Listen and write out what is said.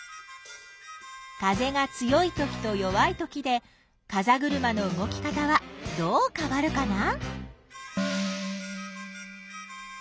風が強いときと弱いときでかざぐるまの動き方はどうかわるかな？